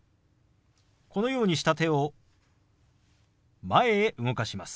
このようにした手を前へ動かします。